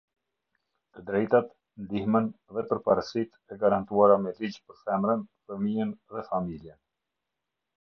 Të drejtat, ndihmën dhe përparësitë e garantuara me ligj për femrën, fëmijën dhe familjen.